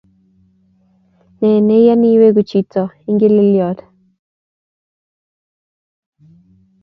Ne neyani iweku chito ingelelyot?